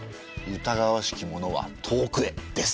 「疑わしきものは遠くへ」です。